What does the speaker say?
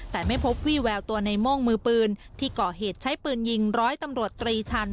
แต่ไม่พบวี่แววตัวในโม่งมือปืนที่ก่อเหตุใช้ปืนยิงร้อยตำรวจตรีชัน